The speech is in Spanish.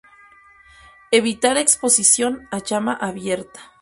Evitar exposición a llama abierta.